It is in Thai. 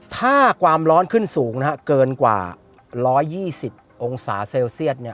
ถ้าความร้อนขึ้นสูงนะฮะเกินกว่า๑๒๐องศาเซลเซียต